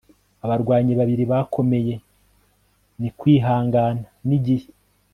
abarwanyi babiri bakomeye ni kwihangana n'igihe